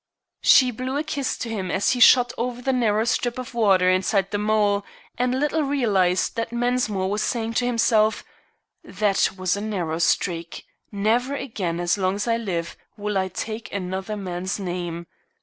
She blew a kiss to him as he shot over the narrow strip of water inside the mole, and little realized that Mensmore was saying to himself: "That was a narrow squeak. Never again, as long as I live, will I take another man's name.